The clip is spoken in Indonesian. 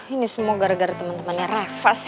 ini semua gara gara temen temennya reva sih